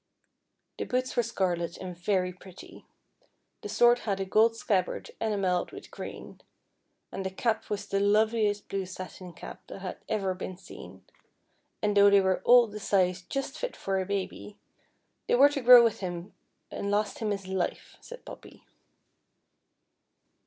The boots were scarlet, and very pretty ; the sword had a gold scabbard enamelled with green ; and the cap was the loveliest blue satin cap that had ever been seen ; and though they were all the size just fit for a baby, " they were to grow with him and last him his life," said Poppy.